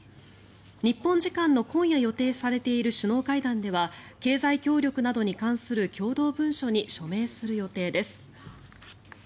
日本時間の今夜予定されている首脳会談では経済協力などに関する共同文書に署名する予定です。